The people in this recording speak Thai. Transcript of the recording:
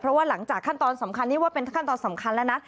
เพราะว่าหลังจากขั้นตอนสำคัญนี่ว่าเป็นขั้นตอนสำคัญแล้วนะ